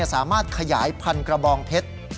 สามารถขยายพันกระบองเพชร